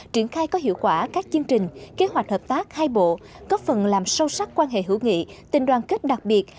triển khai có hiệu quả các chương trình kế hoạch hợp tác hai bộ góp phần làm sâu sắc quan hệ hữu nghị tình đoàn kết đặc biệt